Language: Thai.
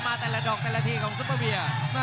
แต่ละดอกแต่ละทีของซุปเปอร์เบียร์